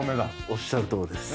おっしゃるとおりです。